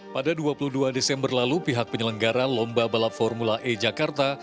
pada dua puluh dua desember lalu pihak penyelenggara lomba balap formula e jakarta